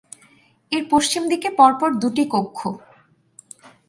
এর পশ্চিম দিকে পরপর দুটি কক্ষ।